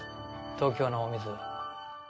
東京のお水は。